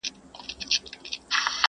بې غاښو خوله به یې وازه وه نیولې!!